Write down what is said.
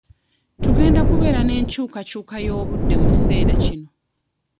Tugenda kubeera n'enkyukakyuka y'obudde mu kiseera kino.